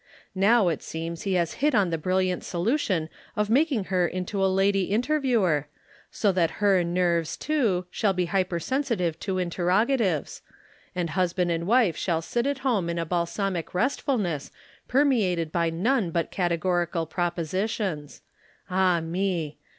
Now it seems he has hit on the brilliant solution of making her into a Lady Interviewer, so that her nerves, too, shall be hypersensitive to interrogatives, and husband and wife shall sit at home in a balsamic restfulness permeated by none but categorical propositions. Ah me!